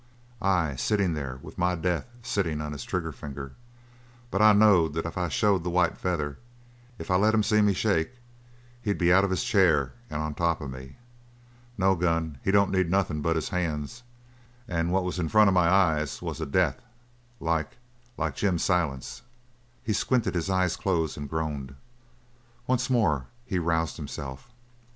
"Ay, sitting there with my death sittin' on his trigger finger. But I knowed that if I showed the white feather, if I let him see me shake, he'd be out of his chair and on top of me. No gun he don't need nothin' but his hands and what was in front of my eyes was a death like like Jim Silent's!" He squinted his eyes close and groaned. Once more he roused himself.